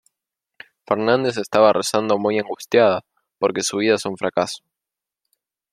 Fernández estaba rezando muy angustiada porque su vida es un fracaso.